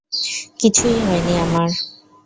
কিছুই হয়নি আমার।